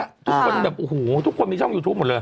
ทุกคนแบบโอ้โหทุกคนมีช่องยูทูปหมดเลย